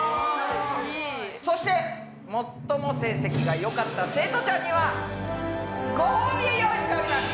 そして最も成績がよかった生徒ちゃんにはごほうびを用意しております。